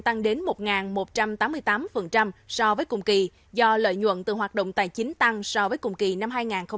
tăng đến một một trăm tám mươi tám so với cùng kỳ do lợi nhuận từ hoạt động tài chính tăng so với cùng kỳ năm hai nghìn một mươi tám